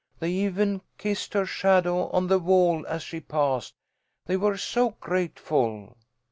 They even kissed her shadow on the wall as she passed. They were so grateful."